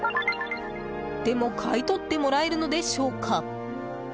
でも、買い取ってもらえるのでしょうか？